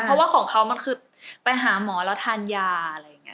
เพราะว่าของเขามันคือไปหาหมอแล้วทานยาอะไรอย่างนี้